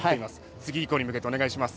次以降に向けてお願いします。